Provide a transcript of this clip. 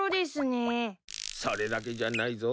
それだけじゃないぞ。